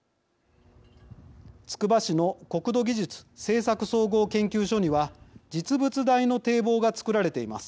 つくば市の国土技術政策総合研究所には実物大の堤防が作られています。